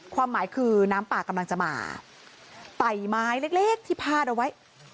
ความหมายคือน้ำป่ากำลังจะมาไต่ไม้เล็กเล็กที่พาดเอาไว้